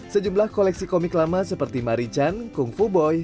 sejumlah koleksi komik lama seperti marichan kung fu boy